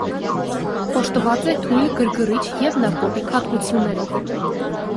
Օժտված է թույլ գրգռիչ և նարկոտիկ հատկություններով։